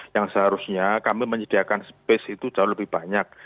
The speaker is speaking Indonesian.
yang seharusnya kami menyediakan space itu jauh lebih banyak